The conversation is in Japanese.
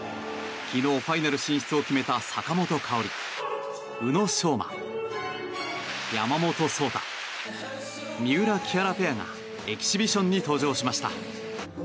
昨日、ファイナル進出を決めた坂本花織、宇野昌磨、山本草太三浦・木原ペアがエキシビションに登場しました。